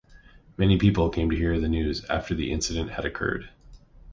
Many people came to hear the news after the incident had occurred.